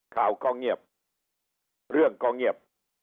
ข่าวก็เงียบเรื่องก็เงียบ